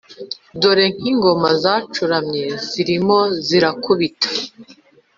dore nkingoma zacuramye, zirimo zirakubita